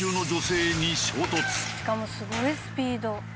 しかもすごいスピード。